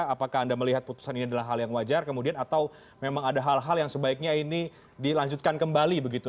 apakah anda melihat putusan ini adalah hal yang wajar kemudian atau memang ada hal hal yang sebaiknya ini dilanjutkan kembali begitu